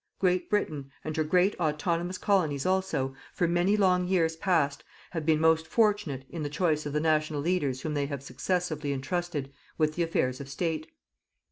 Great Britain, and her great autonomous Colonies also for many long years past, have been most fortunate in the choice of the national leaders whom they have successively entrusted with the affairs of State.